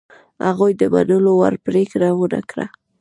هغوی د منلو وړ پرېکړه ونه کړه.